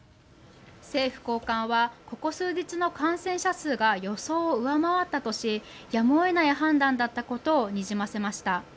政府高官はここ数日の感染者数が予想を上回ったとしてやむを得ない判断だったことをにじませました。